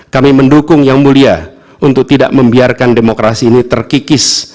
kami mendukung yang mulia untuk tidak membiarkan demokrasi ini terkikis